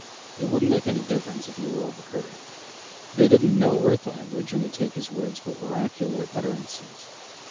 It wouldn't make any difference if he were overheard. They didn't know Earth language and would take his words for oracular utterances.